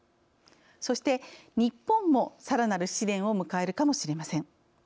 そして日本もさらなる試練を迎えるかもしれません。